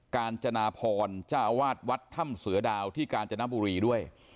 การจนาพรเจ้าอาวาสวัดถ้ำเสือดาวที่กาญจนบุรีด้วย